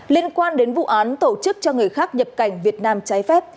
liên quan đến vụ án tổ chức cho người khác nhập cảnh việt nam trái phép